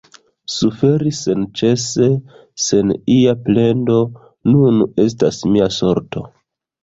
Suferi senĉese, sen ia plendo, nun estas mia sorto.